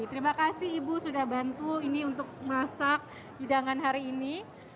terima kasih ibu sudah bantu ini untuk masak hidangan hari ini